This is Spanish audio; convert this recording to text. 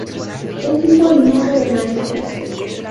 Es hijo y nieto de maestros.